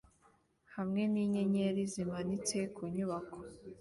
hamwe ninyenyeri zimanitse ku nyubako